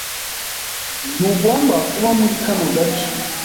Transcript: Ntugomba kuba muri kano gace.